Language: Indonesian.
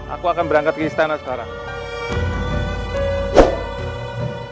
aku akan berangkat ke istana sekarang